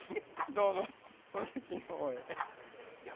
どうぞお席の方へ。